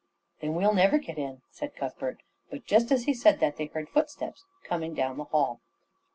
"Then we'll never get in," said Cuthbert, but just as he said that they heard footsteps coming down the hall.